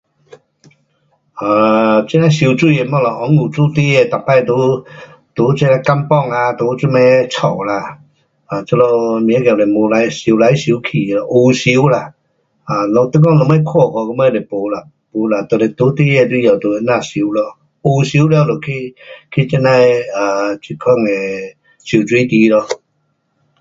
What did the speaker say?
um 这呐游泳的东西，温故做孩儿每次在，在这 kampung 啊，在这么的家啦，um 这里甭晓就 um 游来游去啦，学游啦，um 你讲什么看法什么是没啦，就是做孩儿时候就是这样游咯，学游了就去，去这样的，啊，这款的游泳池咯。